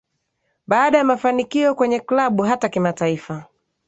Baada ya mafanikio kwenye klabu hata kimataifa